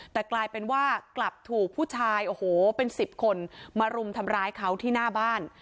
แต่กลายเป็นว่ากลับถูกผู้ชายโอ้โหเป็น๑๐คนมารุมทำร้ายเขาที่หน้าบ้าน